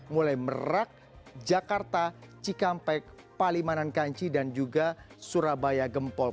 mulai merak jakarta cikampek palimanan kanci dan juga surabaya gempol